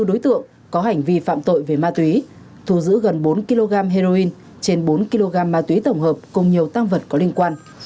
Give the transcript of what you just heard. một trăm hai mươi bốn đối tượng có hành vi phạm tội về ma túy thu giữ gần bốn kg heroin trên bốn kg ma túy tổng hợp cùng nhiều tăng vật có liên quan